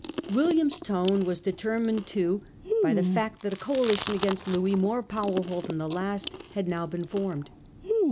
William's tone was determined too by the fact that a coalition against Louis, more powerful than the last, had now been formed.